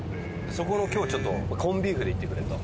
そこの今日はちょっとコンビーフでいってくれと。